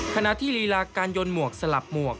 ขณะที่ลีลาการยนหมวกสลับหมวก